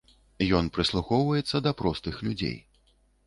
Ён прыслухоўваецца да простых людзей.